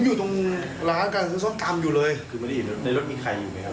อยู่ตรงร้านการซื้อส้มตำอยู่เลยคือไม่ได้เห็นในรถมีใครอยู่ไหมครับ